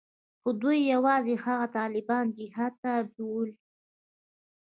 خو دوى يوازې هغه طالبان جهاد ته بيول.